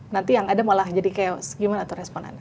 nanti yang ada malah jadi chaos gimana tuh responannya